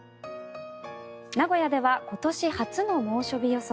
名古屋では今年初の猛暑日予想。